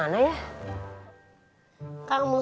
kau rasa apa bareng kamu